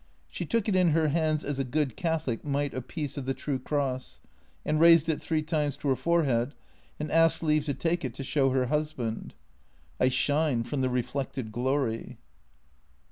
She took it in her hands as a good Catholic might a piece of the true cross, and raised it three times to her forehead, and asked leave to take it to show her husband. I shine from the reflected glory.